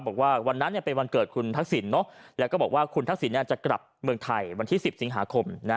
บอกว่าวันนั้นเป็นวันเกิดคุณทักษิณแล้วก็บอกว่าคุณทักษิณจะกลับเมืองไทยวันที่๑๐สิงหาคม